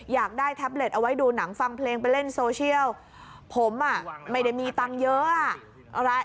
อยากได้แท็บเล็ตเอาไว้ดูหนังฟังเพลงไปเล่นโซเชียลผมอ่ะไม่ได้มีตังค์เยอะอ่ะ